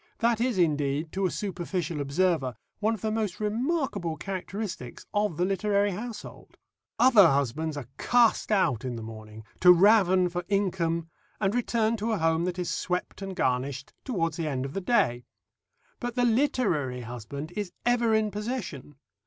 That is, indeed, to a superficial observer, one of the most remarkable characteristics of the literary household. Other husbands are cast out in the morning to raven for income and return to a home that is swept and garnished towards the end of the day; but the literary husband is ever in possession.